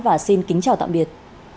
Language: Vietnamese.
và xin kính chào tạm biệt